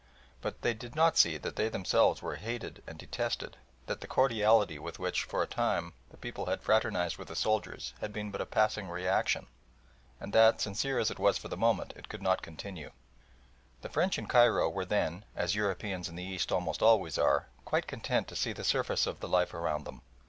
But they did not see that they themselves were hated and detested, that the cordiality with which for a time the people had fraternised with the soldiers had been but a passing reaction, and that, sincere as it was for the moment, it could not continue. The French in Cairo were then, as Europeans in the East almost always are, quite content to see the surface of the life around them.